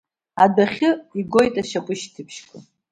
Адәахьы игоит ашьапышьҭыбжьқәа.